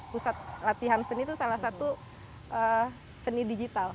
pusat latihan seni itu salah satu seni digital